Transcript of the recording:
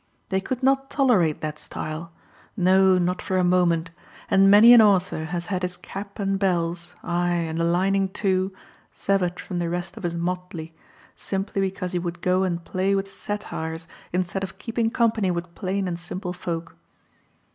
They could not tolerate that style no, not for a moment; and many an author has had his cap and bells, aye, and the lining too, severed from the rest of his motley, simply because he would go and play with Satyrs instead of keeping company with plain and simple folk.